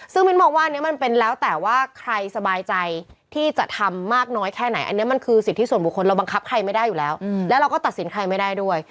ซึ่งมิ้นมองว่าอันนี้มันเป็นแล้วแต่ว่าใครสบายใจที่จะทำมากน้อยแค่ไหนอันนี้มันคือสิทธิส่วนบุคคลเราบังคับใครไม่ได้อยู่แล้วแล้วเราก็ตัดสินใครไม่ได้ด้วย